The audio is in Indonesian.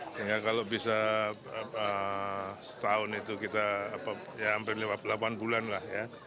sehingga kalau bisa setahun itu kita ya hampir delapan bulan lah ya